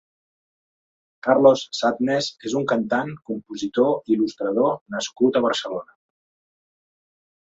Carlos Sadness és un cantant, compositor, il·lustrador nascut a Barcelona.